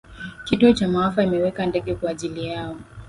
kituo cha maafa imeweka ndege kwa ajili yao